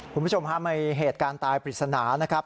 คุณผู้ชมฮะมีเหตุการณ์ตายปริศนานะครับ